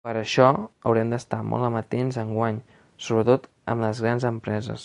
Per això haurem d’estar molt amatents enguany, sobretot amb les grans empreses.